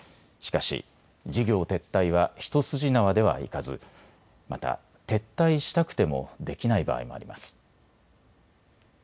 しかし事業撤退は一筋縄ではいかずまた、撤退したくてもできない場合もあります。